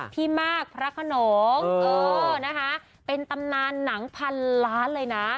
พี่มากพระขนงเป็นตำนานหนังพันล้านเลยนะ